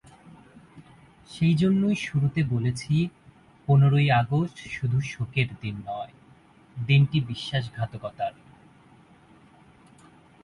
সেই জন্যই শুরুতে বলেছি, পনেরোই আগস্ট শুধু শোকের দিন নয়, দিনটি বিশ্বাসঘাতকতার।